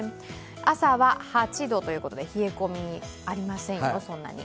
朝は８度ということで冷え込みありませんよ、そんなに。